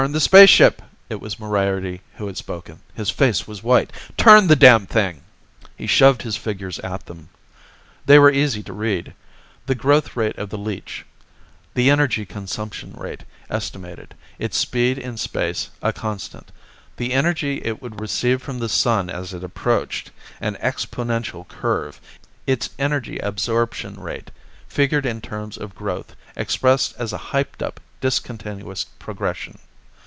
"Turn the spaceship!" It was Moriarty who had spoken. His face was white. "Turn the damned thing!" He shoved his figures at them. They were easy to read. The growth rate of the leech. The energy consumption rate, estimated. Its speed in space, a constant. The energy it would receive from the Sun as it approached, an exponential curve. Its energy absorption rate, figured in terms of growth, expressed as a hyped up discontinuous progression.